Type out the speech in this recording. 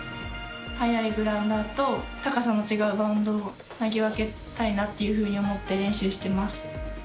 速いグラウンダーと高さの違うバウンドを投げ分けたいなっていうふうに思って練習してます。